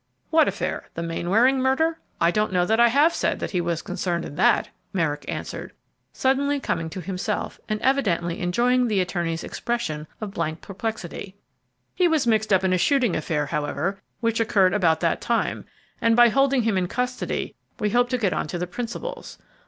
"What affair, the Mainwaring murder? I don't know that I have said that he was concerned in that," Merrick answered, suddenly coming to himself and evidently enjoying the attorney's expression of blank perplexity; "he was mixed up in a shooting affair, however, which occurred about that time, and by holding him in custody we hope to get on to the principals.